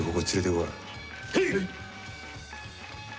はい。